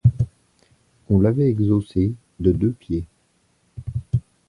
On l'avait exhaussée de deux pieds.